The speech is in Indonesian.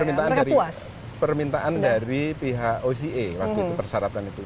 betul ini permintaan dari pihak oce waktu itu persyaratan itu